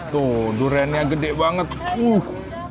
tuh duriannya gede banget uh